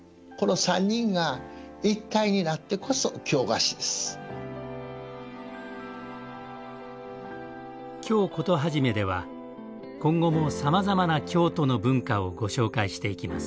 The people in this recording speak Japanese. あくまでも「京コトはじめ」では今後もさまざまな京都の文化をご紹介していきます。